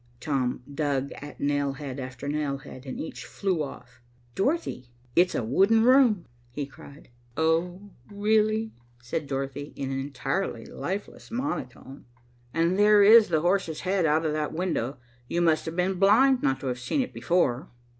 Tom dug at nail head after nail head, and each flew off. "Dorothy, it's a wooden room," he cried. "Oh, really," said Dorothy, in an entirely lifeless monotone. "And there is the horse's head out of that window. You must have been blind not to have seen it before."